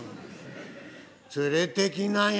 連れていきなよ！